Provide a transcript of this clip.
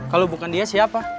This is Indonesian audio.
kalau bukan dia siapa